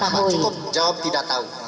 tidak apa apa cukup jawab tidak tahu